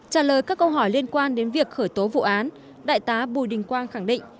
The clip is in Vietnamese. trả lời các câu hỏi liên quan đến việc khởi tố vụ án đại tá bùi đình quang khẳng định